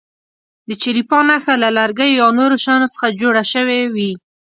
د چلیپا نښه له لرګیو یا نورو شیانو څخه جوړه شوې وي.